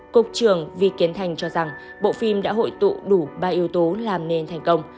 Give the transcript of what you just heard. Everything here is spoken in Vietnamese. cục trường vi kiến thành cho rằng bộ phim đã hội tụ đủ ba yếu tố làm nên thành công